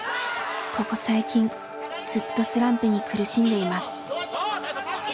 ここ最近ずっとスランプに苦しんでいます。